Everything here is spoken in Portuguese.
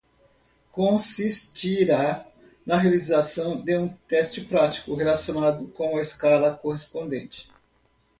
Consistirá na realização de um teste prático relacionado com a escala correspondente.